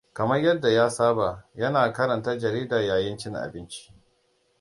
Kamar yadda ya saba, yana karanta jarida yayin cin abinci.